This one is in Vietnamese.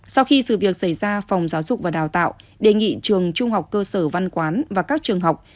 sau khi sự việc xảy ra phòng giáo dục và đào tạo đề nghị trường trung học cơ sở văn quán và các trường học